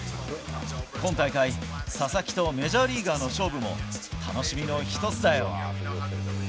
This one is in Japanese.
今大会、佐々木とメジャーリーガーの勝負も、楽しみの１つだよ。